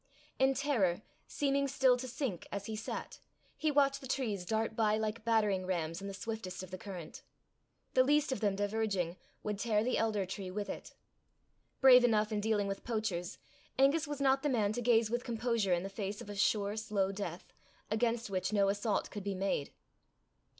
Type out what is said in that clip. In terror, seeming still to sink as he sat, he watched the trees dart by like battering rams in the swiftest of the current: the least of them diverging would tear the elder tree with it. Brave enough in dealing with poachers, Angus was not the man to gaze with composure in the face of a sure slow death, against which no assault could be made.